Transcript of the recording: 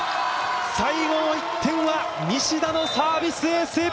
最後の１点は西田のサービスエース！